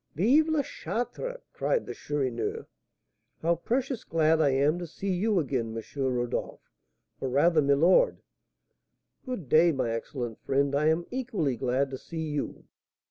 "Vive la Charte!" cried the Chourineur. "How precious glad I am to see you again, M. Rodolph or, rather, my lord!" "Good day, my excellent friend. I am equally glad to see you."